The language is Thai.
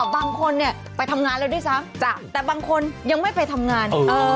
บางคนเนี่ยไปทำงานแล้วด้วยซ้ำแต่บางคนยังไม่ไปทำงาน